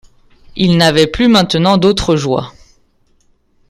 Il n’avait plus maintenant d’autre joie.